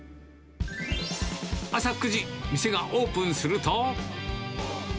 朝９時、店がオープンすると。